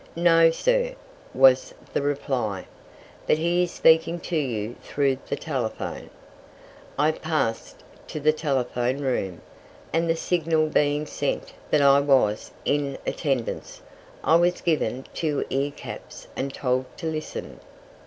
"No, sir," was the reply, "but he is speaking to you through the telephone." I passed to the telephone room, and the signal being sent that I was in attendance, I was given two ear caps and told to listen.